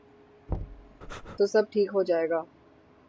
تو سب ٹھیک ہو جائے گا۔